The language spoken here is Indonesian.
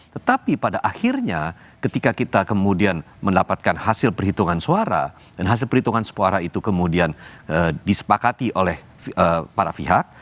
tetapi pada akhirnya ketika kita kemudian mendapatkan hasil perhitungan suara dan hasil perhitungan suara itu kemudian disepakati oleh para pihak